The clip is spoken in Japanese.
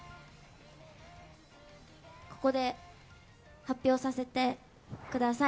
ここで発表させてください。